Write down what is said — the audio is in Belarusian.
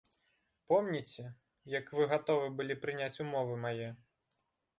Помніце, як вы гатовы былі прыняць умовы мае?